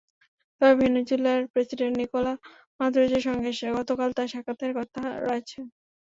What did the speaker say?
তবে ভেনেজুয়েলার president Nicolas মাদুরোর সঙ্গে গতকাল তাঁর সাক্ষাতের কথা রয়েছে।